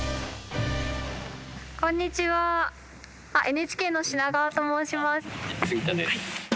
ＮＨＫの品川と申します。